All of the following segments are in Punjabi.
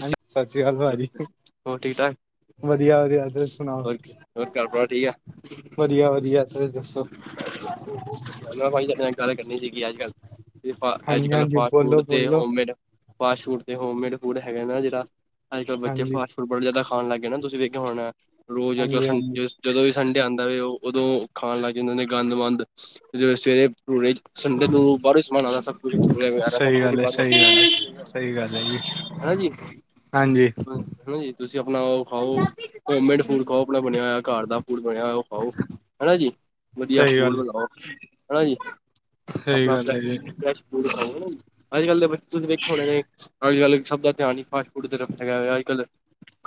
ਹਾਂਜੀ, ਸਤਿ ਸ੍ਰੀ ਅਕਾਲ ਭਰਾ ਜੀ। ਹੋਰ ਠੀਕ ਠਾਕ ਵਧੀਆ ਵਧੀਆ ਹੋਰ ਤੁਸੀ ਸੁਣਾਓ, ਹੋਰ ਹੋਰ ਘਰ ਪਰਿਵਾਰ ਠੀਕ ਵਧੀਆ ਵਧੀਆ ਹੋਰ ਤੁਸੀ ਦੱਸੋ। ਹੈਨਾ ਭਾਈ, ਕਿਸੇ ਨਾਲ ਗੱਲ ਕਰਨੀ ਸੀਗੀ, ਅੱਜ ਕੱਲ ਫ ਅੱਜ ਹਾਂਜੀ ਕੱਲ, ਹਾਂਜੀ ਫਾਸਟ ਫੂਡ ਬੋਲੋ ਤੇ ਬੋਲੋ ਹੋਮਮੇਡ ਫਾਸਟ ਫੂਡ ਤੇ ਹੋਮੇਡ ਫੂਡ ਹੈਗਾ ਨਾ ਜਿਹੜਾ, ਅੱਜ ਕੱਲ੍ਹ ਬੱਚੇ ਹਾਂਜੀ ਫਾਸਟ ਬੜੇ ਜਿਆਦਾ ਖਾਣ ਲੱਗ ਗਿਆਏ ਨਾ, ਤੁਸੀਂ ਵੇਖਿਆ ਹੋਣਾ, ਰੋਜ਼ ਹਾਂਜੀ ਹਾਂਜੀ ਜਦੋਂ ਵੀ ਸੰਡ ਡੇ ਆਉਂਦਾ ਵੈ, ਉਹ ਉਦੋਂ ਖਾਣ ਲੱਗ ਜਾਂਦੇ ਨੇ, ਗੰਦ ਵੰਦ, ਜਿਵੇ ਸਵੇਰੇ ਭਠੂਰੇ, ਸੰਡੇ ਨੂੰ ਬਾਹਰ ਸਮਾਨ ਆਦਾਂ ਸਭ ਕੁਛ, ਭਠੂਰੇ ਵਗੈਰਾ ਸਭ ਸਹੀ ਕੁਛ ਹੀ ਗੱਲ ਹੈ ਸਹੀ ਗੱਲ ਹੈ ਸਹੀ ਗੱਲ ਹੈ ਜੀ ਹੈਜੀ, ਹਾਂਜੀ ਹੂ ਹੈਨਾ ਜੀ ਤੁਸੀਂ ਆਪਣਾ ਉਹ ਖਾਓ, ਹੋਮੇਡ ਫੂਡ ਖਾਓ ਆਪਣਾ ਬਣਿਆ ਹੋਇਆ, ਘਰ ਦਾ ਫੂਡ ਬਣਿਆ ਹੋਇਆ ਉਹ ਖਾਓ। ਹੈਨਾ ਜੀ, ਵਧੀਆ ਸਹੀ ਫੂਡ ਗੱਲ ਬਣਾਓ, ਹੈਨਾ ਜੀ, ਸਹੀ ਆਪਣਾ ਗੱਲ ਹੈ ਜੀ ਫਰੈਸ਼ ਫੂਡ ਖਾਓ ਹੈਨਾ, ਅੱਜ ਕੱਲ ਦੇ ਬੱਚੇ ਤੁਸੀਂ ਵੇਖੇ ਹੋਣੇ ਨੇ, ਅੱਜ ਕੱਲ ਸਭ ਦਾ ਧਿਆਨ ਨਹੀਂ, ਫਾਸਟ ਫੂਡ ਜੇੜਾ ਹੈਗਾ ਐ, ਅੱਜੱ ਕਲ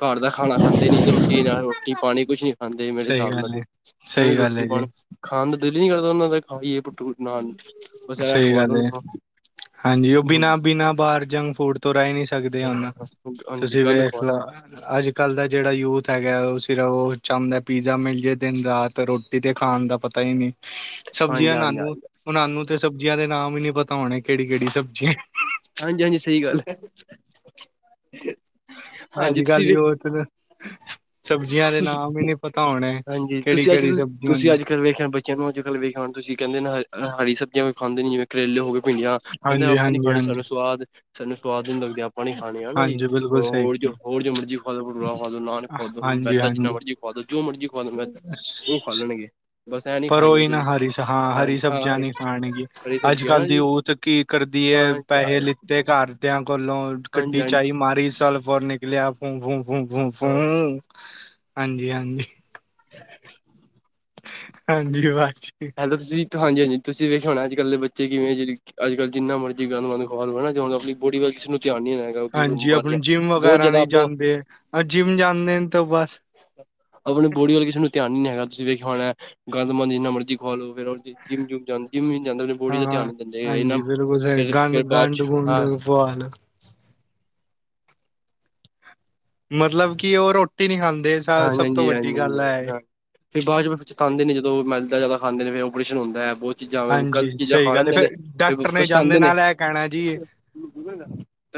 ਘਰ ਦਾ ਖਾਣਾ ਖਾਂਦੇ ਨੀ, ਰੋਟੀ ਨਾਲ ਰੋਟੀ ਪਾਣੀ ਕੁਝ ਨੀ ਖਾਂਦੇ ਮੇਰੇ ਸਹੀ ਹਿਸਾਬ ਨਾਲ ਗੱਲ ਤੇ ਹੈ ਉਹਨਾਂ ਨੇ ਸਹੀ ਗੱਲ ਰੋਟੀ ਹੈ ਜੀ ਪਾਣੀ ਖਾਣ ਦਾ ਦਿਲ ਨੀ ਕਰਦਾ ਉਹਨਾਂ ਦਾ, ਖਾਈਏ ਭਠੂਰ ਸਹੀ ਗੱਲ ਐ, ਹਾਂਜੀ ਉਹ ਬਿਨਾ, ਬਿਨਾਂ ਬਾਹਰ ਜੰਕ ਫੂਡ ਤੋ ਰਹ ਹੀ ਨਹੀ ਸਕਦੇ ਹੁਣ, ਹਾਂਜੀ ਤੁਸੀਂ ਗੰਦ ਵੇਖ ਖਵਾ ਲੋ, ਅੱਜ ਕੱਲ੍ਹ ਦਾ ਜਿਹੜਾ ਯੂਥ ਹੈਗਾ, ਉਹ ਸਿਰਫ ਉਹ ਚੋੳਦਾੰ ਪੀਜ਼ਾ ਮਿਲ ਜਾਏ ਦਿਨ ਰਾਤ, ਰੋਟੀ ਤੇ ਖਾਣ ਦਾ ਪਤਾ ਹੀ ਨਹੀਂ। ਹਾਂਜੀ ਸਬਜ਼ੀਆਂ ਹਾਂਜੀ ਉਨਾਨੂੰ ਹਾਂਜੀ ਨ੍ਹ, ਉਨਾਨੂੰ ਤੇ ਸਬਜ਼ੀਆਂ ਦੇ ਨਾਮ ਹੀ ਨੀ ਪਤਾ ਹੋਣੇ, ਕਿਹੜੀ ਕਿਹੜੀ ਸਬਜ਼ੀਆਂ ਹਾਂਜੀ -ਹਾਂਜੀ ਸਹੀ ਗੱਲ ਹੈ ਅਜ ਹਾਂਜੀ ਕੱਲ, ਤੁਸੀਂ ਯੂਥ ਦਾ ਸਬਜ਼ੀਆਂ ਦੇ ਨਾਮ ਹੀ ਨੀ ਪਤਾ ਹੋਣੇ, ਕਿਹੜੀ ਕਿਹੜੀ ਸਬਜ਼ੀਆਂ ਨੇ ਸਂਬਜੀਆ ਨੂੰ ਅੱਜੱਕਲ ਵੇਖ ਲੋ, ਤੁਸੀਂ ਕਿੰਹਦੇ ਹੋ ਹਰੀ ਸਬਜ਼ੀਆਂ ਕੋਈ ਖਾਂਦੇ ਨੀ ਜਿਵੇੰ ਕਰੇਲੇ ਹੋ ਗੇ, ਭੀਡੀਆਂ, ਕਹਿੰਦੇ ਹਾਂਜੀ ਆਪਾਂ ਨੀ ਹਾਂਜੀ ਖਾਣੀ, ਹਾਂਜੀ ਸਾਨੂੰ ਸਵਾਦ ਸਾਨੂੰ ਸਵਾਦ ਨੀ ਲੱਗਦੀਆਂ ਆਪਾਂ ਨਹੀ ਖਾਣੀਆ ਜੀ, ਹੈਨਾ ਜੀ, ਹਾਂਜੀ ਬਿਲਕੁਲ ਹੋਰ ਸਹੀ ਹੋਰ ਜੋ ਮਰਜ਼ੀ ਖਵਾ ਦੋ, ਭਠੂਰਾ ਖਵਾ ਦੋ, ਨਾਨ ਖਵਾ ਹਾਂਜੀ ਮੈਦਾ ਜਿੰਨਾ ਹਾਂਜੀ ਮਰਜ਼ੀ ਖਵਾ ਦੋ, ਜੋ ਮਰਜ਼ੀ ਖਵਾ ਦੋ ਮੈਦਾ, ਉਹ ਖਾ ਲੈਣਗੇ ਬਸ ਐ ਨੀ ਪਰ ਉਹੀ ਖਾਏਂਗੇ ਨਾ ਹਰੀ ਹਾਂ ਹਰੀ ਹਾਂ ਸਬਜ਼ੀਆਂ ਹਰੀ ਨੀ ਖਾਣਗੀ, ਹਰੀ ਅੱਜ ਸਬਜ਼ੀ ਕੱਲ ਹਨਾ ਦੀ ਜੀ ਯੂਥ ਕੀ ਕਰਦੀ ਹਾਂ ਹੈ, ਹਾਂਜੀ ਪੈਸੇ ਲਿੱਤੇ ਘਰ ਘਰ ਦੇਯਾ ਕੋਲੋ, ਗੱਡੀ ਹਾਂਜੀ ਚਾਯੀ ਮਾਰੀ, ਸੈੱਲ ਫੋਨ ਨਿਕਲਿਆ, ਫੂੰ -ਫੂੂੰ- ਫੂੰ -ਫੂ ਹਾਂ -ਫੂ ਹਾਂਜੀ -ਹਾਂਜੀ [unintelligible] ਹਾਂਜੀ ਬਾਦ ਚ ਹੈਲੋ ਤੁਸੀਂ ਹਾਂਜੀ -ਹਾਂਜੀ ਤੁਸੀਂ ਵੇਖਯਾ ਹੋਣਾ ਅੱਜ ਕੱਲ ਦੇ ਬੱਚੇ ਕਿਵੇਂ ਜਿਹੜੇ, ਅੱਜੱਕਲ੍ਹ ਜਿਹਨਾਂ ਮਰਜੀ ਗੰਦਮੰਦ ਖਵਾ ਲੋ, ਹੈਨਾ ਚਾਹੁੰਦੇ ਆਪਣੀ ਬੋਡੀ ਵਲ ਕਿਸੇ ਨੂੰ ਧਿਆਨ ਨੀ ਆਏਗਾ ਕਿ ਹਾਂਜੀ ਬਿਮਾਰੀਆਂ, ਆਪਣੀ ਜਿੰਮ ਬਹੁਤ ਜ਼ਿਆਦਾ ਬ ਤੀਣ ਤੋ ਬਸ ਆਪਣੀ ਬੋਡੀ ਵੱਲ ਕਿਸੇ ਨੂੰ ਧਿਆਨ ਨੀ ਨੀ ਹੈਗਾ, ਤੁਸੀਂ ਵੇਖਯਾ ਹੋਣਾ ਹੈ, ਗੰਦ ਮੰੰਦ ਜਿੰਨਾ ਮਰਜੀ ਖੁਵਾ ਲੋ, ਫਿਰ ਜਿੰਮ ਜੁਮ ਜਾਂ ਜਿੰਮਮ ਵੀ ਨੀ ਜਾਂਦੇ, ਬੋਡੀ ਦਾ ਹਾਂ ਧਿਆਨ ਨੀ ਦਿੰਦੇ, ਇਹਨਾਂ ਹਾਂਜੀ ਫ਼ਿਰ ਫ਼ਿਰ ਬਾਅਦ ਚ, ਹਾਂ ਔ ਹਾ ਨਾ ਮਤਲਬ ਕਿ ਉਹ ਰੋਟੀ ਨਹੀਂ ਖਾਂਦੇ, ਹਾਂਜੀ ਸਭ ਤੋਂ ਹਾਂਜੀ ਵੱਡੀ ਹਾਂਜੀ ਗੱਲ ਐ ਹੈ ਹਾਂ ਫਿਰ ਬਾਅਦ ਚ ਪਛੱਤਉਦੇ ਨੇ, ਜਦੋਂ ਮੈਦਾ ਜਿਆਦਾ ਖਾਂਦੇ ਨੇ, ਫਿਰ ਓਪਰੇਸ਼ਨ ਹੁੰਦਾ ਹੈ, ਬਹੁਤ ਚੀਜ਼ਾਂ, ਗ਼ਲਤ ਹਾਂਜੀ ਚੀਜ਼ਾਂ ਸਹੀ ਖਾ ਗੱਲ ਹੈ ਲੈਂਦੇ ਫਿਰ ਨੇ, ਫਿਰ ਡਾਕਟਰ ਜਾਂਦੇ ਪਛਤਾਉਂਦੇ ਨੇ ਨਾਲ ਇਹ ਕਹਿਣਾ ਜੀ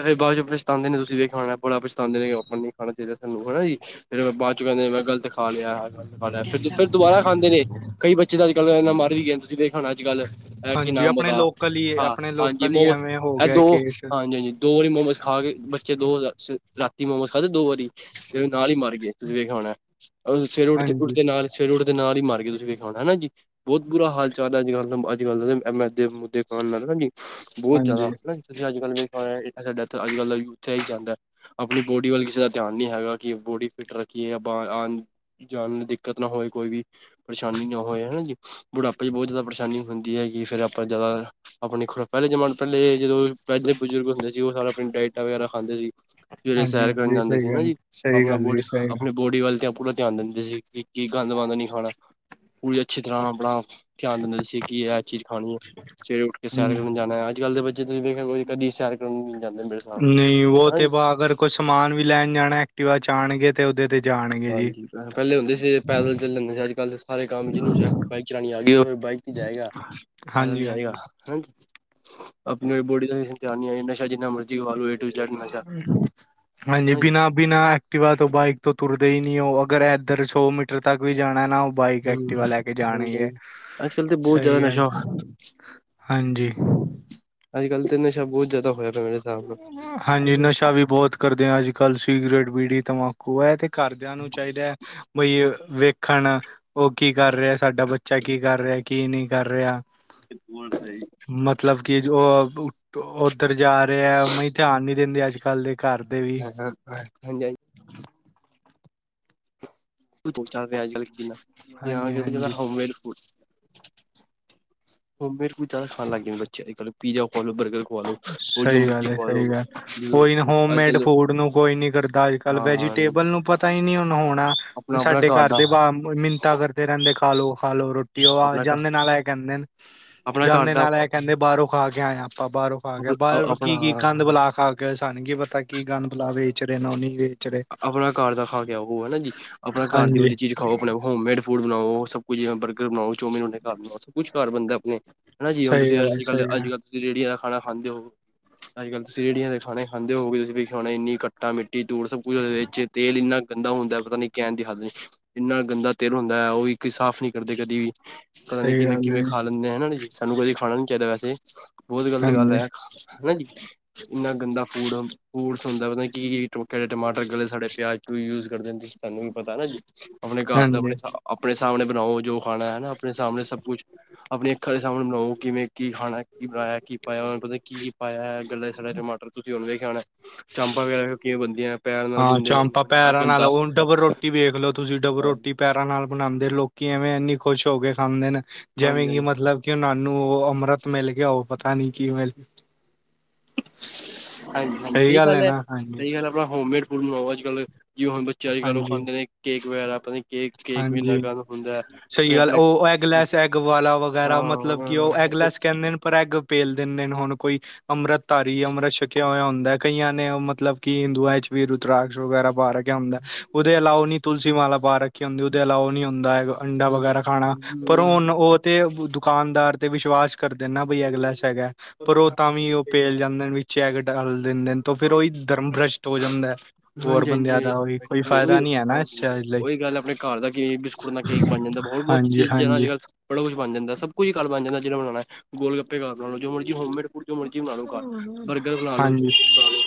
ਤੇ ਬਾਅਦ ਚ ਪਛਤਾਉਦੇ ਨੇ, ਤੁਸੀ ਵੇਖਾਇਆ ਹੋਣਾ ਐ, ਬੜਾ ਪਛਤਾਉਦੇ ਨੇ, ਆਪਾਂ ਨੂੰ ਨਹੀਂ ਖਾਣਾ ਚਾਹਿਦਾ ਸਾਨੂੰ ਹੈਨਾ ਜੀ ਫੇਰ ਔ ਬਾਦ ਚੁ, ਕਹਦੇ ਮੈਂ ਗਲਤ ਖਾ ਲਿਆ ਖਾ ਲਿਆ, ਫਿਰ ਫਿਰ ਦੁਬਾਰਾ ਖਾਂਦੇ ਨੇ, ਕਈ ਬੱਚੇ ਤਾਂ ਅੱਜ ਕੱਲ ਇੰਨਾ ਮਰ ਵੀ ਗਏ, ਤੁਸੀਂ ਦੇਖ ਹੁਣ ਅੱਜ ਕੱਲ੍ਹ, ਇਹ ਕਿ ਹਾਂਜੀ ਨਾਮ ਆਪਣੇ ਔਦਾ, ਲੋਕਲ ਹੀ ਆਪਣੇ ਹਾਂਜੀ ਲੋਕਲ ਹੀ ਮੋਮਸ, ਐਵੇਂ ਹੋ ਇਹ ਗਿਆ ਦੋ ਕੇਸ ਹਾਂਜੀ- ਹਾਂਜੀ ਦੋ ਵਾਰੀ ਮੋਮੋਸ ਖਾ ਕੇ ਬੱਚੇ ਦੋ, ਰਾਤੀ ਮੋਮੋਸ ਖਾਦੇ ਦੋ ਵਾਰੀ, ਤੇ ਨਾਲ ਹੀ ਮਰ ਗ ਤੁਸੀਂ ਵੇਖਯਾ ਹੋਣਾ, ਸਵੇਰੇ ਉੱਠ ਹਾਂਜੀ ਉੱਠਦੇ ਨਾਲ ਸਵੇਰੇ ਉੱਠਦੇ ਨਾਲ ਹੀ ਮਰ ਗਏ, ਤੁਸੀਂ ਵੇਖਯਾ ਹੋਣਾ ਹੈਨਾ ਜੀ ਬਹੁਤ ਬੁਰਾ ਹਾਲ ਚਾਲ ਅੱਜ ਕੱਲ, ਅੱਜ ਕੱਲ ਦਾ, ਏ ਮੈਦੇ ਮੁਦੇ ਖਾਨ ਲਗ ਪਏ ਜੀ, ਬਹੁਤ ਜ਼ਿਆਦਾ ਹਾਂਜੀ ਹੈਨਾ ਜੀ ਤੁਸੀਂ ਅੱਜ ਕੱਲ ਵੇਖਿਆ ਹੋਣਾ, ਸਾਡੇ ਏਥੇ ਅੱਜ ਕੱਲ ਦਾ ਯੂਥਤੇ ਏ ਹੀ ਚਾਹਦਾਂ ਹੈ ਆਪਣੀ ਬੋਡੀ ਵੱਲ ਕਿਸੇ ਦਾ ਧਿਆਨ ਨਹੀਂ ਹੈਗਾ ਕਿ ਬੋਡੀ ਫਿਟ ਰੱਖੀਏ ਅਬ ਆਨ ਜਾਨ ਨੂੰ ਦਿੱਕਤ ਨਾ ਹੋਵੇ ਕੋਈ ਵੀ ਪਰੇਸ਼ਾਨੀ ਨਾ ਹੋਵੇ ਹਨਾ ਜੀ ਬੁਢਾਪੇ ਚ ਬਹੁਤ ਜ਼ਿਆਦਾ ਪਰੇਸ਼ਾਨੀ ਹੁੰਦੀ ਹੈ ਕਿ ਫੇਿਰ ਆਪਾਂ ਜ਼ਿਆਦਾ ਆਪਣੇ ਪਹਿਲੇ ਜਮਾਨੇ ਪਹਿਲੇ ਜਦੋਂ ਪਹਿਲੇ ਬਜ਼ੁਰਗ ਹੁੰਦੇ ਸੀ ਉਹ ਸਾਰਾ ਆਪਣੀ ਡਾਇਟਾਂ ਵਗੈਰਾ ਖਾਂਦੇ ਸੀ ਸਵੇਰੇ ਹਾਂਜੀ ਸੈਰ ਕਰਨ ਹਾਂਜੀ ਜਾਂਦੇ ਸੀ ਸਹੀ ਨਾ ਗੱਲ ਜੀ ਸਹੀ ਆਪਣਾ ਗੱਲ ਜੀ ਬੋਡ ਸਹੀ ਗੱਲ ਬੋਡੀ ਵੱਲ ਤਾਂ ਪੂਰਾ ਧਿਆਨ ਦਿੰਦੇ ਸੀ ਕਿ ਕੀ ਗੰਦ ਵੰਦ ਨਹੀਂ ਖਾਣਾ ਪੂਰੀ ਅੱਛੀ ਤਰ੍ਹਾਂ ਆਪਣਾ ਧਿਆਨ ਦਿੰਦੇ ਸੀ ਕਿ ਇਹ ਚੀਜ਼ ਖਾਣੀ ਏ ਸਵੇਰੇ ਉੱਠ ਕੇ ਹੂੰ, ਸੈਰ ਕਰਨ ਜਾਣਾ ਅੱਜ- ਕੱਲ੍ਹ ਦੇ ਬੱਚੇ ਤੁਸੀਂ ਦੇਖਯਾ ਕਦੀ ਸੈਰ ਕਰਨ ਨੀ ਜਾਂਦੇ ਮੇਰੇ ਹਿਸਾਬ ਨਹੀਂ ਉਹ ਹੈਨਾ ਤੇ ਜੀ। ਵਾ ਅਗਰ ਕੋਈ ਸਮਾਨ ਵੀ ਲੈਣ ਜਾਣਾ ਐਕਟੀਵਾ ਚਾਣਗੇ ਤੇ ਉਹਦੇ ਤੇ ਜਾਣਗੇ ਜੀ ਹਾਂਜੀ ਪਹਿਲੇ ਹੁੰਦੇ ਸੀ ਪੈਦਲ ਚਲਦੇ ਹੁੰਦੇ ਸੀ ਅਜ-ਕੱਲ੍ਹ ਸਾਰੇ ਕੰਮ ਜਿਹਨੂੰ ਬਾਇ ਚਾਲਾਣੀ ਆ ਗਈ ਬਾਈਕ ਤੇ ਜਾਏਗਾ ਪੈਦਲ ਨੀ ਹਾਂਜੀ ਹਾਂਜੀ ਜਾਏਗਾ ਹਾਂਜੀ ਆਪਣੀ ਬੋਡੀ ਦਾ ਧਿਆਨ ਨਹੀਂ ਆਏ ਨਸ਼ਾ ਜਿੰਨਾ ਮਰਜ਼ੀ ਕਰਾਲੋ ਹਾਜੀ ਜੀ ਬੀਣਾ ਬਿਨਾਂ ਐਕਟਿਵਆ ਤੋਂ ਉਹ ਬਾਈਕ ਤੋਂ ਤੁਰਦੇ ਹੀ ਨਹੀ ਉਹ ਅਗਰ ਇੱਧਰ ਸੌ ਮੀਟਰ ਤੱਕ ਵੀ ਜਾਣਾ ਨਾ ਬਾਈਕ ਹੂੰ ਐਕਟੀਵਾ ਹਾਂਜੀ ਲੈ ਕੇ ਜਾਣਗੇ, ਹਾਂਜੀ। ਅੱਜ ਕੱਲ੍ਹ ਤੇ ਬਹੁਤ ਜ਼ਿਆਦਾ ਸਹੀ ਗੱਲ। ਨਸ਼ਾ ਹਾਂਜੀ। ਅੱਜ-ਕੱਲ੍ਹ ਤੇ ਨਸ਼ਾ ਬਹੁਤ ਜ਼ਿਆਦਾ ਹੋਇਆ ਪਿਆ ਮੇਰੇ ਹਿਸਾਬ ਨਾਲ। ਹਾਂਜੀ ਨਸ਼ਾ ਵੀ ਬਹੁਤ ਕਰਦੇ ਹਾਂ ਅੱਜ-ਕੱਲ੍ਹ ਸਿਗਰਟ, ਬੀੜੀ ਤੰਬਾਕੂ ਇਹ ਤੇ ਘਰਦਿਆਂ ਨੂੰ ਚਾਹੀਦਾ ਹੈ ਬਈ ਵੇਖ -ਖਣ ਉਹ ਕੀ ਕਰ ਰਿਹਾ ਸਾਡਾ ਬੱਚਾ ਕੀ ਕਰ ਰਿਹਾ ਕੀ ਨਹੀਂ ਕਰ ਰਿਹਾ। ਸਹੀ। ਮਤਲਬ ਕਿ ਉਹ ਉੱਧਰ ਜ ਮਈ ਧਿਆਨ ਨਹੀਂ ਦਿੰਦੇ ਅੱਜ- ਕੱਲ੍ਹ ਦੇ ਘਰ ਦੇ ਵੀ, [unintelligible] ਹਾਂਜੀ-ਹਾਂਜੀ। ਚਾਅ ਅੱਜ-ਕੱਲ੍ਹ ਹਿ ਹਾਂਜੀ ਯਾਂ ਹਾਂਜੀ home made food home made food ਜਾਦਾ ਖਾਣ ਲੱਗ ਗਏ ਬੱਚੇ ਅੱਜ-ਕੱਲ੍ਹ ਪੀਜ਼ਾ ਖਾਲੋ ਲੋ ਬਰਗਰ ਸਹੀ ਗੱਲ ਏ ਸਹੀ ਗੱਲ ਕੋਈ ਨੀ ਹੋਮਮੇਡ ਫੂਡ ਨੂੰ ਕੋਈ ਨੀ ਕਰਦਾ ਅਜ ਕੱਲ੍ਹ ਵੈਜੀਟੇਬਲ ਨੂੰ ਪਤਾ ਹੀ ਨਹੀ ਹੁਣ ਹੋਣਾ ਆਪਣਾ ਆਪਣਾ ਸਾਡੇ ਘਰ ਦਾ ਦੇ ਮਿੰਨਤਾਂ ਕਰਦੇ ਰਹਿੰਦੇ ਖਾਲੋ-ਖਾਲੋ ਰੋਟੀ ਉਹ ਆਪਣਾ ਘ- ਜਾਂਦੇ ਨਾਲ ਇਹ ਕਹਿੰਦੇ ਨੇ ਆਪਣਾ ਘਰ ਜਾਂਦੇ ਦਾ ਨਾਲ ਇਹ ਕਹਿੰਦੇ ਬਾਹਰੋਂ ਖਾ ਕੇ ਆਏ ਆਪਾਂ ਬਾਹਰੋਂ ਪਾ ਗਿਆ ਅਪ- ਅ- ਬਾਹਰ ਆਪਣਾ ਕੀ ਗੰਦ ਬੁਲਾ ਖਾ ਕੇ ਸਾਨ ਕੀ ਪਤਾ ਕੀ ਗੰਦ ਬੁਲਾ ਵੇਚ ਰਹੇ ਨੂੰ ਨਹੀਂ ਵੇ ਆਪਣਾ ਘਰ ਦਾ ਖਾ ਕੇ ਉਹ ਹਨਾ ਜੀ ਆਪਣਾ ਘਰ ਦੀ ਹਾਂਜੀ ਵਧੀਆ ਚੀਜ਼ ਖਾਓ ਆਪਣੇ ਹੋਮ ਮੇਡ ਫੂਡ ਬਣਾਓ ਸਭ ਕੁਝਿ ਬਰਗਰ ਬਣਾਓ ਚੋਮਿਨ ਸਭ ਕੁਛ ਕਰ ਬੰਦਾ ਆਪਣੇ ਹਨਾ ਜੀ ਹੁਣ ਸਹੀ ਤੁਸੀਂ ਗੱਲ ਹੈ ਅੱਜ ਸਹੀ ਕੱਲ-ਅੱਜ ਗੱਲ ਕੱਲ੍ਹ ਤੁਸੀਂ ਰੇਹੜੀਆਂ ਦਾ ਖਾਣਾ ਖਾਂਦੇ ਹੋ। ਅੱਜ-ਕੱਲ੍ਹ ਰੇੜੀਆਂ ਦੇ ਖਾਣੇ ਖਾਂਦੇ ਹੋਗੇ ਤੁਸੀਂ ਵੀ ਖਾਣੇ ਇੰਨੀ ਕੱਟਾ ਮਿੱਟੀ ਧੂੜ ਸਭ ਕੁੱਝ ਤੇਲ ਇੰਨਾ ਗੰਦਾ ਹੁੰਦਾ ਪਤਾ ਨੀ ਕਹਿਣ ਦੀ ਹੱਲ ਇੰਨਾ ਗੰਦਾ ਤੇਲ ਹੁੰਦਾ ਹੈ ਉਹ ਵੀ ਸਾਫ਼ ਨਹੀਂ ਕਰਦੇ ਕਦੇ ਵੀ। ਪਤਾ ਨੀ ਸਹੀ ਕਿਵੇਂ ਗੱਲ ਕਿਵੇਂ ਹੈ ਖਾ ਲੈਂਦੇ ਹਨ ਜੀ ਸਾਨੂੰ ਕਦੇ ਖਾਣਾ ਨੀ ਚਾਹੀਦਾ ਵੈਸੇ। ਬਹੁਤ ਗਲਤ ਗੱਲ ਹੈ ਹਾਂਜੀ ਹਨਾ ਜੀ ਇੰਨਾ ਗੰਦਾ ਫੂਡ ਫਰੂਟਸ ਹੁੰਦਾ ਮਲ ਕੀੇ ਟਮਾਟਰ ਗਲੇ ਸੜੇ ਪਿਆਜ ਪ ਯੂਜ ਕਰਦੇ ਨੇ ਤੁਸੀਂ ਸਾਨੂੰ ਪਤਾ ਨਾ ਜੀ ਆਪਣੇ ਘਰ ਦਾ ਹਾਂਜੀ ਆਪਣੇ ਆਪਣੇ ਸਾਹਮਣੇ ਬਣਾਓ ਜੋ ਖਾਣਾ ਹੈ ਨਾ ਆਪਣੇ ਸਾਹਮਣੇ ਸਭ ਕੁਛ ਆਪਣੀ ਅੱਖਾਂ ਦੇ ਸਾਹਮਣੇ ਬਣਾਓ ਕਿਵੇਂ ਕੀ ਖਾਣਾ ਕੀ ਬਣਾਇਆ ਕੀ ਪਾਇਆ ਉਹਨਾਂ ਪੈ ਪਤਾ ਨਿ ਕੀ ਪਾਇਆ ਗੱਲੇ ਸੱੜੇ ਟਮਾਟਰ ਤੁਸੀਂ ਹੁਣ ਵੇਖਿਆ ਹੋਣਾ ਚਾਂਪਾਂ ਵਗੈਰਾ ਕਿਵੇਂ ਬਣਦੀਆਂ ਪੈਰ ਨਾਲ ਹਾਂ ਗੁੰਦੇ ਚਾਮਂਪਾ ਨੇ ਪੈਰਾਂ ਨਾਲਾ ਗੰਦਾ ਉਹਡਬਰ ਰੋ ਰੋਟੀ ਵੇਖ ਲੋ ਤੁਸੀਂ ਡਬਰ ਹਾਂਜੀ ਰੋਟੀ ਪੈਰਾਂ ਨਾਲ ਬਣਾਉਂਦੇ ਲੋਕੀ ਐਵੇਂ ਐੰਨੀ ਖੁਸ਼ ਹੋ ਕੇ ਖਾਂਦੇ ਨੇ ਜਿਵੇਂ ਕਿ ਹਾਂਜੀ ਮਤਲਬ ਕਿ ਉਹਾਨ ਨੂੰ ਉਹ ਅੰਮ੍ਰਿਤ ਮਿਲ ਗਿਆ ਉਹ ਪਤਾ ਨਹੀਂ ਕੀ ਮਿਲ ਹਾਂਜੀ-ਹਾਂਜੀ ਸਹੀ ਗੱਲ ਹੈ। ਸਹੀ ਗੱਲ ਹੈ ਆਪਣਾ ਹੋਮਮੇਡ ਫਲ ਬਣਾਓ ਅੱਜ-ਕੱਲ੍ਹ ਜੀ ਹੁਣ, ਬੱਚੇ ਅੱਜ ਕੱਲ ਉਹ ਹਾਂਜੀ ਖਾਂਦੇ ਨੇ ਕੇਕ ਵਗੈਰਾ ਆਪਣੀ- ਹਾਂਜੀ ਸਹੀ ਤੇ ਗੱਲ, ਆਪਣੇ ਉਹ ਐਗਲੈਸ ਐਗ ਵਾਲਾ ਵਗੈਰਾ, ਮਤਲਬ ਕਿ ਉਹ ਹਾਂਜੀ-ਹਾਂਜੀ, ਐਗਲੈਸ ਕਹਿੰਦੇ ਨੇ ਪਰ, ਅਗ ਪੇਲ ਦਿੰਦੇ ਨੇ ਹੁਣ ਕੋਈ ਅੰਮ੍ਰਿਤ ਧਾਰੀ, ਅੰਮ੍ਰਿਤ ਛਕਿਆ ਹੋਇਆ ਹੁੰਦਾ ਹੈ ਕਈਆਂ ਨੇ, ਮਤਲਬ ਕਿ ਹਿੰਦੂਆਂ ਵਿੱਚ ਵੀ, ਰੁਤਰਾਸ਼ ਵਗੈਰਾ ਪਾ ਰ ਹੁੰਦਾ, ਉਹਦੇ ਇਲਾ ਉਹ ਨੀ ਤੁਲਸੀ ਮਾਲਾ, ਪਾ ਰੱਖੀ ਹੁੰਦੀ ਉਹਦੇ ਇਲਾਵਾ ਨੀ ਹੁੰਦਾ ਹੈਗਾ ਅੰਡਾ ਵਗੈਰਾ ਖਾਣਾ, ਪਰ ਹੁਣ ਉਹ ਤੇ ਦੁਕਾਨਦਾਰ, ਤੇ ਵਿਸ਼ਵਾਸ ਕਰਦੇ ਨਾ ਬਈ ਐਗ ਲੈਸ ਹੈਗਾ ਪਰ ਉਹ ਤਾਂ ਵੀ ਉਹ ਪੇਲ ਜਾਂਦੇ ਨੇ ਵਿੱਚ ਐਗ ਡਾਲ ਦਿੰਦੇ ਨ ਤੋ ਫੇਰ ਉਹੀ ਧਰਮ ਭ੍ਰਸ਼ਟ ਹੋ ਜਾਂਦਾ ਹੋਰ ਹਾਂਜੀ ਬੰਦਿਆਂ ਹਾਂਜੀ ਦਾ ਉਹੀ ਕੋਈ ਫਾਇਦਾ ਨਹੀਂ ਹੈ ਨਾ ਇਸ ਚਜ਼ ਲਈ, ਅੱਜ-ਕਲ੍ਹ ਆਪਣੇ ਘਰ ਦਾ ਕੇਕ ਬਿਸਕੁਟ ਨਾਲ ਕੇਕ ਬਣ ਜਾਂਦਾ ਹੋਰ ਬਹੁਤ ਚ ਹਾਂਜੀ ਚੀਜ਼ਾਂ ਹਾਂਜੀ ਨਾਲ ਅੱਜ-ਕੱਲ੍ਹ ਬੜਾ ਕੁਛ ਬਣ ਜਾਂਦਾ, ਸਭ ਕੁਝ ਘਰ ਬਣ ਜਾਂਦਾ, ਜਿਨੇ ਬਣਾਉਣਾ ਗੋਲ ਗੱਪੇ ਘਰ ਬਣਾ ਲਓ, ਜੋ ਮਰਜ਼ੀ ਹੋਮੇਡ ਜੋ ਮਰਜੀ, ਬਣਾ ਲੋ ਘਰ ਬਰਗਰ, ਬਣਾ ਲ ਲੋ ਹਾਂਜੀ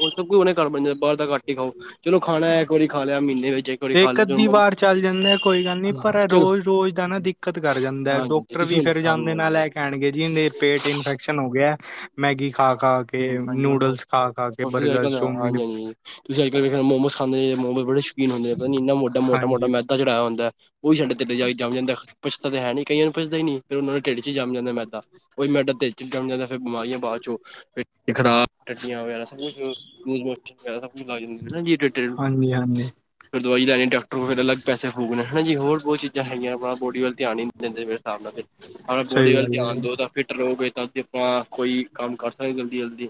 ਹੁਣ ਸਭ ਕੁਝ ਘਰ ਬਣ ਜਾਂਦਾ, ਬਾਹਰ ਤਾਂ ਘੱਟ ਹੀ ਖਾਓ, ਚਲੋ ਖਾਣਾ ਇੱਕ ਵਾਰੀ ਖਾ ਲਿਆ ਮਹੀਨੇ, ਵਿੱਚ ਵਾਰੀ ਖਾ ਏਕ ਲਿਆ ਅੱਦੀ ਚਲੋ ਵਾਰ ਚੱਲ ਜਾਂਦਾ ਕੋਈ ਗੱਲ ਨੀ, ਪਰ ਹਾਂਜੀ ਰੋਜ਼ ਰੋਜ਼ ਦਾ ਨਾ ਦਿੱਕਤ ਕਰ ਜਾਂਦਾ, ਤੁਰੀ ਹਾਂਜੀ ਫਰੀ, ਤੁਸੀਂ ਵੀ ਫਿਰ ਜਾਂਦੇ ਹਾਂਜੀ-ਹਾਂਜੀ ਨਾਲ ਐ ਕਹਿਣ ਗੇ ਜੀ, ਪੇਟ ਇਨਫੈਕਸ਼ਨ ਹੋ ਗਿਆ ਮੈਗੀ, ਖਾ ਖਾ ਕੇ ਹਾਂਜੀ ਹੁਣ ਨੂਡਲਸ, ਖਾ ਖਾ ਕੇ ਤੁਸੀਂ ਅੱਜ ਬਰਗਰ, ਕੱਲ ਚੋਮਨ ਹਾਂਜੀ ਹਾਂਜੀ ਤੁਸੀਂ ਅੱਜ ਕੱਲ ਵੇਖ ਮੋਮੋਸ ਖਾਂਦੇ ਜੇ ਮੋਮੇਜ, ਬੜੇ ਸ਼ੌਕੀਨ ਹੁੰਦੇ, ਪਤਾ ਨੀ ਇੰਨਾ ਮੋਟਾ-ਮੋਟਾ ਹਾਂਜੀ, ਮੈਦਾ ਚੜਾਆ ਹੁੰਦਾ ਔਹੀ ਸਾਡੇ ਤੁਹਾਡੇ ਢਿੱਡ ਜਾ ਕੇ ਜਮ ਜਾਂਦਾ, ਪਚਦਾ ਤੇ ਹੈ ਨੀ ਕਈਆਂ ਨੂੰ ਪਚਦਾ ਹੀ ਨੀ ਫਿਰ ਓਹਨਾਂ ਦੇਂ ਢਿੱਡ ਚ ਹੀ ਜਮ ਜਾਂਦਾ ਮੈਦਾ। ਔਈ ਮੈਂਦਾ ਢਿੱਡ ਚ ਜੰਮ ਜਾਂਦਾ ਫਿਰ ਬਿਮਾਰੀਆਂ ਬਾਦ ਚੋਂ ਪੇ ਖਰਾਬ, ਟੱਟੀਆਂ ਵਗੈਰਾ, ਸਭ ਕੁਛ ਲੂਸ ਮੋਸ਼ਣ ਵਗੈਰਾ ਸਬ ਕੁਛ ਲਗ ਜਾਂਦੇ ਨਾ ਜੀ, ਜਿਦੇ ਤੇ ਟੇਡ ਹਾਂਜੀ-ਹਾਂਜੀ ਫਿਰ ਦਵਾਈ ਲੈਣੀ ਡਾਕਟਰ ਕੋਲ, ਫਿਰ ਅਲੱਗ ਪੈਸੇ ਫੂਕਣੇ। ਹਾਂ ਜੀ, ਹੋਰ ਓਹ ਚੀਜ਼ਾਂ ਹੈਗੀਆਂ, ਅਪਣਾ ਬੋਡੀ ਵੱਲ ਧਿਆਨ ਹੀ ਨੀ ਦਿੰਦੇ ਮੇਰੇ ਸਾਬ ਨਾਲ, ਫੇਰ ਅਗਰ ਸਹੀ ਬੋਡੀ ਵੱਲ ਗੱਲ ਧਿਆਨ ਹੈ, ਦਿਓ ਤਾਂ ਫਿੱਟ ਰਹੋਗੇ ਤਾਂ ਤੇ ਪਾ, ਕੋਈ ਕੰਮ ਕਰ ਸਕਦੇ ਜਲਦੀ ਜਲਦੀ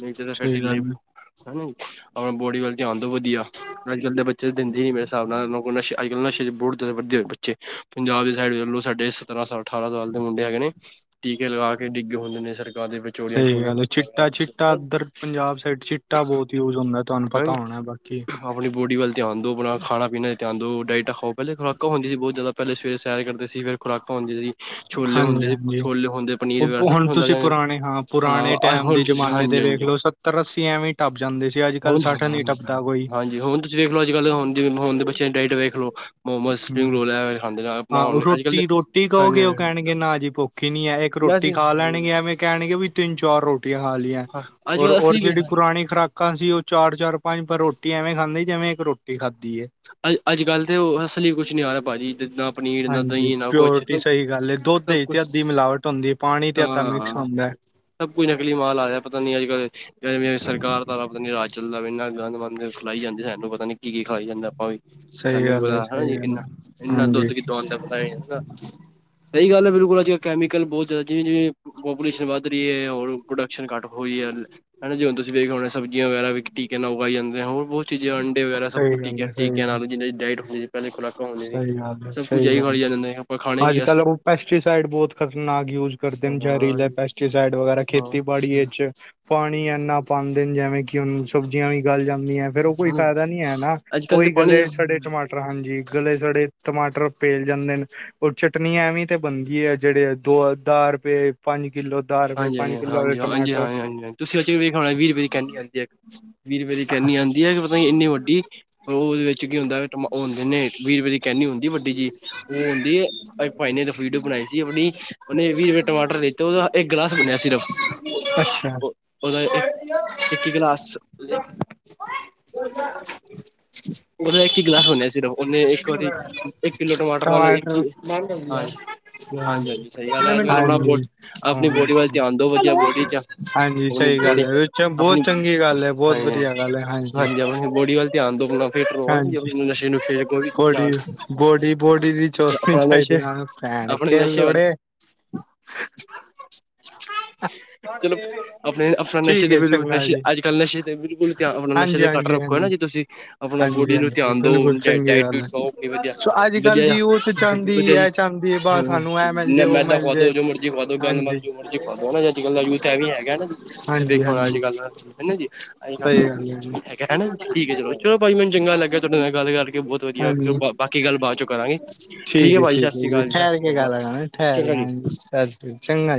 ਨਹੀਂ ਤੇ ਫੇਰ ਸਹੀ ਢਿੱਲੇ, ਗੱਲ ਹੈ, ਨਈ ਅਪਣਾ ਬੋਡੀ ਵੱਲ, ਧਿਆਨ ਦੋ ਵਧੀਆ। ਅੱਜ ਕੱਲ ਦੇ ਬੱਚੇ ਦਿੰਦੇ ਹੀ ਨੇ ਮੇਰੇ ਸਾਬ ਨਾਲ, ਅੱਜ-ਕੱਲ ਨਾ ਸ਼ਰੀ ਬੁਡ ਥ ਵਧੇ ਹੋਏ ਚੇ ਪੰਜਾਬ ਦੀ ਸਾਈਡ ਵੇਖਲੋ, ਸਾਡੇ ਸਤਰਾਂ ਸਾ ਅਠਾਰਾਂ ਸਾਲ, ਦੇ ਮੁੰਡੇ ਹੈਗੇ ਨੇ ਟੀਕੇ ਲਗਾ ਕੇ ਡਿੱਗੇ ਹੁੰਦੇ ਨੇ ਸੜਕਾ ਦੇ, ਵਿੱਚ ਚੋਰੀਆਂ ਸਹੀ ਚੋਰੀਆਂ ਗੱਲ ਹੈ ਕੱਟਾ ਵਗੈਰਾ [unintelligible] ਚਿੱਟਾ-ਚਿੱਟਾ ਨਹੀਂ ਇੱਧਰ ਪੰਜਾਬ ਸਾਈਡ ਚਿੱਟਾ ਬਹੁਤ ਯੂਜ ਹੁੰਦਾ ਤੁਹਾਨੂੰ ਪਤਾ ਨਹੀਂ। [inaudible] ਹੋਣਾ ਬਾਕੀ ਆਪਣੀ ਬੋਡੀ ਵੱਲ ਧਿਆਨ ਦਿਓ, ਅਪਣਾ ਖਾਣਾ-ਪੀਣਾ ਚ ਧਿਆਨ ਦਿਓ, ਡਾਇਟਾ ਖਾਓ। ਪਹਿਲੇ ਖੁਰਾਕਾ ਹੁੰਦੀਆ ਸੀ, ਬਹੁਤ ਜਿਆਦਾ ਪਹਿਲੇ, ਸਵੇਰੇ ਸੈਰ ਕਰਦੇ ਸੀ, ਫੇਰ ਖੁਰਾਕਾਂ ਹੁੰਦੀਆਂ ਸੀ, ਛੋਲੇ ਹੁੰਦੇ ਸੀ, ਹਾਂਜੀ-ਹਾਂਜੀ ਛੋਲੇ ਹੁੰਦੇ, ਪਨੀਰ ਉਹ ਵਗੈਰਾ ਪੁ- ਸਭ ਹੁਣ ਕੁਛ ਹੁੰਦਾ ਤੁਸੀਂ ਜਾਂ ਪੁਰਾਣੇ ਹਾਂ ਪੁਰਾਣੇ ਟਾਈਮ, ਦੇ ਜਮਾਨੇ ਤੇ ਵੇਖ ਹਾਂਜੀ ਲੋ ਸੱਤਰ-ਅੱਸੀ ਐਵੇਂ ਟੱਪ ਜਾਂਦੇ ਸੀ, ਅੱਜ-ਕੱਲ੍ਹ ਸੱਠ ਨੀ ਟੱਪ ਹੁਣ ਹਾਂਜੀ, ਹੁਣ ਤੁਸੀਂ ਵੇਖਲੋ ਅੱਜ--ਕੱਲ ਹੋਣ ਹੋਣ ਦੇ ਬੱਚਿਆਂ, ਦੀ ਡਾਇਟ ਵੇਖ ਲੋ ਮੋਮੋਸ, ਹੂੰ ਸਪਰਿੰਗ ਰੋਲ ਐ ਐ ਖਾਂਦੇ ਜਾਓ ਹਾਂ ਰੋਟੀ ਰੋਟੀ ਕਹੋਗੇ, ਓਹ ਕਹਿਣਗੇ, ਨਾ ਜੀ ਭੁੱਖ ਹੀ ਨੀ ਹੈ, ਇੱਕ ਰੋਟੀ ਵੈਸੇ ਖਾ ਲੈਣਗੇ ਐਵੇਂ ਕਹਿਣਗਏ, ਤਿੰਨ-ਚਾਰ ਰੋਟੀਆਂ ਖਾ ਲੀਆ ਅੱਜ ਕੱਲ ਔਰ ਅਸਲੀ ਜਿਹੜੀ ਪੁਰਾਣੀ ਖੁਰਾਕ ਅਸੀਂ, ਓਹ ਚਾਰ-ਚਾਰ ਪੰਜ-ਪੰਜ ਰੋਟੀ ਐਵੇਂ ਖਾਂਦੇ ਸੀ, ਜਿਵੇ ਇੱਕ ਰੋਟੀ ਖਾਦੀ ਏ ਅ, ਅੱਜ-ਕੱਲ੍ਹ ਤੇ ਓਹ ਅਸਲੀ ਕੁਛ ਨਈ, ਆ ਰਿਹਾ ਭਾਜੀ। ਨਾ ਪਨੀਰ ਨਾ ਹਾਂਜੀ, ਦਹੀਂ ਨਾ ਕੁਛ ਪਿਓਰਟੀ ਸਭ ਸਹੀ ਗੱਲ ਏ। ਦੁੱਧ ਸਭ ਵਿੱਚ ਤੇ ਕੁਛ ਅੱਧੀ ਮਿਲਾਵਟ ਹੁੰਦੀ ਪਾਣੀ ਤੇ, ਅੱਧਾ ਹਾਂ ਮਿਕਸ ਹੁੰਦਾ ਸਭ ਕੁਝ ਨਕਲੀ ਮਾਲ ਆ ਰਿਆ, ਪਤਾ ਨੀ ਅੱਜ-ਕੱਲ ਵੇਂਐ ਸਰਕਾਰ ਦਾ ਪਤਾ ਨੀ ਰਾਸ਼ਨ ਚਲਦਾ ਦਾ ਏਨਾ ਗੰਦ ਮੰਦ ਮੈਨੂੰ ਖਲਾਈ ਜਾਂਦੇ, ਸਾਨੂੰ ਪਤਾ ਨੀ ਕੀ-ਕੀ ਖਾਈ ਜਾਂਦਾ ਔਹੀ ਸਹੀ ਤੈਨੂੰ ਵੀ ਗੱਲ ਹੈ ਪਤਾ ਹਨਾ ਸਹੀ ਜੀ ਗੱਲ ਹੈ ਇੰਨਾ--ਇਨ੍ਹਾਂ ਹਾਂਜੀ ਦੁੱਧ ਕਿਥੋਂ ਆਂਦਾ? ਪਤਾ ਨੀ ਹਨਾ ਸਹੀ ਗੱਲ ਹੈ ਬਿਲਕੁਲ, ਅੱਜੇ ਕੈਮੀਕਲ ਬਹੁਤ ਜਾਦਾ ਜਿਵੇਂ ਜਿਵੇਂ ਪੋਪੂਲੇਸ਼ਨ ਵੱਧ ਰੀ ਏ, ਔਰ ਪ੍ਰੋਡਕਸ਼ਨ, ਘੱਟ ਹੋ ਰੀ ਐ, ਹਨਾ ਜੀ ਹੁਣ ਤੁਸੀਂ ਵੇਖ ਹੋਣੇ ਸਬਜ਼ੀਆਂ ਵਗੈਰਾ, ਵੀ ਟੀਕੇ ਨਾ ਉਗਾਈ ਜਾਂਦੇ, ਆ ਹੋਰ ਬਹੌਤ ਚੀਜਾ ਅੰਡੇ ਵਗੈਰਾ ਸਭ ਸਹੀ ਕੁਛ ਗੱਲ ਟੀਕੇਆਂ ਸਹੀ ਠੀਕ ਹੈ, ਗੱਲ ਨਾਲ ਜਿਨ੍ਹਾਂ ਦੀ ਡਾਇਟ ਹੁੰਦੀ, ਪਹਿਲੇ ਖੁਰਾਕ ਸਹੀ ਗੱਲ ਏ ਸਹੀ ਗੱਲ ਏ ਆਪਾਂ ਖਾਣੇ ਕੀ ਅੱਜ-ਕੱਲ ਓਹ ਪੈਸਟੀਸਾਈਡ ਬਹੁਤ ਖਤਰਨਾਕ ਨਿਉੱਜ ਕਰਦੇ ਨੇ ਹਾਂ ਜਿਹਰੀਲੇ ਪੈਸਟੀਸਾਈਡ ਵਗੈਰਾ ਹਾਂ ਖੇਤੀ ਬਾੜੀ ਵਿੱਚ ਪਾਣੀ, ਏਨਾ ਪਾਦੇ ਨੇ, ਜਿਵੇਂ ਕਿ ਉਂਨੂੰ ਸਬਜ਼ੀਆਂ ਵੀ ਗੱਲ ਜਾਂਦੀ, ਐ ਫੇਰ, ਓਹ ਕੋਈ ਫੈਦਾ ਨੀ ਹੈ ਨਾ, ਅੱਜ ਕੱਲ ਤੇ ਓਹੀ ਗੱਲੇ ਪਾਣੀ ਸੜੇ ਟਮਾਟਰ, ਹਾਂਜੀ ਗਲੇ ਸੜੇ, ਟਮਾਟਰ ਪੇਲ ਜਾਂਦੇ ਨੇ ਔਰ, ਚਟਨੀ ਐਵੇਂ ਈ ਤੇ ਬਣਦੀ ਏ, ਜਿਹੜੇ ਦੋ ਅ ਦਸ ਰੁਪਏ ਪੰਜ ਕਿਲੋ ਦਾ ਰੁਪੇ ਹਾਂਜੀ ਹਾਂਜੀ ਪੰਜ ਕਿਲੋ ਦੇ ਹਾਂਜੀ ਹਾਂਜੀ ਟਮਾਟਰ। ਹਾਂ ਹਾਂਜੀ ਹਾਂਜੀ ਤੁਸੀਂ ਅਜ ਵੇਖ ਹੋਣਾ ਵੀਹ ਰੁਪਏ ਦੀ ਕੈਨੀ ਆਂਦੀ ਹੈ। ਵੀਹ ਰੁਪਏ ਦੀ ਕੈਨੀ ਆਂਦੀ ਐ, ਕੇ ਪਤਾ ਨੀ ਇੰਨੀ ਵੱਡੀ। ਓ ਓਦੇ ਵਿੱਚ ਕੀ ਹੁੰਦਾ ਵੇ ਟਮਾ ਓ ਹੁੰਦੇ ਨੇ ਵੀਹ ਰੁਪਏ ਦੀ ਕੈਨੀ ਹੁੰਦੀ ਵੱਡੀ ਬੀਜੀ ਓਹ ਹੁੰਦੀ ਏ ਅੱਜ ਭਾਈ ਨੇ ਵੀਡੀਓ ਬਣਾਈ ਸੀ ਅਪਣੀ ਓਹਨੇ ਵੀਹ ਰੁਪਏ ਟਮਾਟਰ ਲਿਤਾ। ਓਦਾਂ ਕਲਾਸ ਬਣਿਆ ਸਿਰਫ। ਅੱਛਾ [inaudible] ਓਹਦਾ ਇੱਕ ਇੱਕੀ ਗਲਾਸ ਓਹਦਾ ਇੱਕ ਹੀ ਗਲਾਸ ਬਣਿਆ ਸਿਰਫ। ਓਹਨੇ ਇੱਕ ਵਾਰੀ ਇੱਕ ਕਿੱਲੋ ਟਮਾਟਰ ਨਾਲੋਂ ਇੱਕ ਈ ਬੰਦ ਹੋ ਗਿਆ ਹਾਂਜੀ ਹਾਂਜੀ ਹਾਂਜੀ। ਸਹੀ ਗਲ ਕਿੰਨੇ ਆ ਮਿੰਟ ਅੱਜਕਲ ਬੜਾ ਬੋ ਹੋਗੇ ਅਪਣੀ ਬੋਡੀ ਵੱਲ ਧਿਆਨ ਦੋ ਵਧੀਆ ਹੈਲੋ ਬੋਡੀ ਚ ਹਾਂਜੀ ਅਪਣੀ ਸਹੀ ਗੱਲ ਬੋਡੀ ਹੈ ਵਿੱਚ ਅਪਣੀ ਬਹੁਤ ਚੰਗੀ ਗੱਲ ਹੈ ਬਹੁਤ ਹਾਂਜੀ-ਹਾਂਜੀ, ਵਧੀਆ ਗੱਲ ਹੈ ਹਾਂਜੀ ਅਪਣੀ ਬੋਡੀ ਵੱਲ ਧਿਆਨ ਦੋ ਅਪਣਾ ਫਿਟ ਰੋ ਹੈਣਾ ਜੀ ਅਪਣਾ ਨਸ਼ੇ-ਨੁਸ਼ੇ [unintelligible] ਕੋਡੀ ਬੋਡੀ ਬੋਡੀ ਦੀ ਚੋਦਨੀ ਆਪਣਾ ਚਾਹੀਦੀ ਨਸ਼ੇ ਹਾਂ ਭੈਣ ਆਪਣੇ ਕੇ ਨਸ਼ੇ ਵੱਲ ਲੋੜੇ। [inaudible] [inaudible] ਚਲੋ ਆਪਣੇ ਆਪਣਾ ਨਸ਼ੇ ਠੀਕ ਦੇ ਹੈ ਬੁਲ ਚੰਗਾ ਨਸ਼ੇ ਜੀ ਅੱਜ-ਕੱਲ ਨਸ਼ੇ ਦੇ ਬਿਲਕੁਲ ਧਿਆਨ ਆਪਣਾ ਨਸ਼ੇ ਹਾਂਜੀ ਦੇ ਘੱਟ ਹਾਂਜੀ ਰ ਨਾ ਹਾਂਜੀ ਜੀ ਤੁਸੀਂ ਆਪਣਾ ਹਾਂਜੀ ਬੋਡੀ ਨੂੰ ਹਾਂਜੀ ਧਿਆਨ ਦੋ ਬਿਲਕੁਲ ਡ ਚੰਗੀ ਡਇਟ ਗੱਲ ਹੈ ਸੋ ਵੀ ਵਧੀਆ, ਸੋ ਅੱਜ ਕੱਲ੍ਹ ਵਧੀਆ ਦੀ ਆ ਉਹ ਤੇ ਚਾਹੁੰਦੀ ਵਧੀਆ ਜੀ ਇਹ ਚਾਹੁੰਦੀ ਹੈ ਬਸ ਹੂੰ, ਸਾਨੂੰ ਇਹ ਮਿਲ ਜੇ ਉਹ ਮੈਦਾ ਮਿਲ ਜੇ ਖੁਆਦੋ ਜੋ ਮਰਜੀ ਖੁਆ ਦੋ। ਗੰਦ ਹਾਂਜੀ ਮੰਦ ਜੋ ਮਰਜ਼ੀ ਖੁਆ ਦੋ ਹਨਾ ਅੱਜ-ਕੱਲ ਦਾ ਯੂਥ ਐਵੀ ਹੈਗਾ ਨਾ ਜੀ ਤੁਸੀਂ ਹਾਂਜੀ ਦੇਖੋ ਨਾ ਹਾਂਜੀ ਅੱਜ-ਕੱਲ ਹਨਾ ਜੀ। ਹੈਗਾ ਸਹੀ ਗੱਲ ਹੈ ਜੀ ਹਨਾ ਜੀ ਠੀਕ ਏ ਚਲੋ, ਚਲੋ ਭਾਜੀ ਮੈਨੂੰ ਚੰਗਾ ਲੱਗਿਆ ਥੋਡੇ ਨਾਲ ਗੱਲ ਕਰਕੇ ਬਹੁ ਤ ਵਧੀਆ ਹਾਂਜੀ ਬਾਕੀ ਗੱਲ ਬਾਤ ਚੋਂ ਕਰਾਂਗੇ ਠੀਕ ਏ ਹੈ ਭਾਜੀ ਸਤਿ ਹੈ ਸ਼੍ਰੀ ਅਕਾਲ ਜੀ, ਸਤਿ ਠਹਿਰ ਸ਼੍ਰੀ ਕੇ ਅਕਾਲ ਗੱਲ ਕਰਾਂਗੇ ਠਹਿਰ ਕੇ ਚੰਗਾ ਹਾਂਜੀ ਸਤਿ ਜੀ। ਚੰਗਾ ਜੀ।